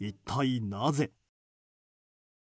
一体、なぜ？